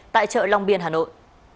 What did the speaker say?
tại chợ long biên hà nội